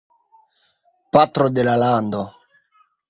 Patro de la Lando.